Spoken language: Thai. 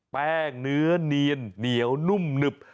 แป้งเนื้อเนียนเหนียวนุ่มหนึบ